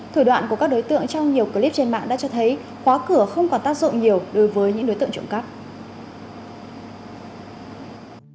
thủ đoạn của các đối tượng trong nhiều clip trên mạng đã cho thấy khóa cửa không còn tác dụng nhiều đối với những đối tượng trộm cắp